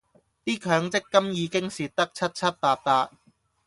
啲強積金已經蝕得七七八八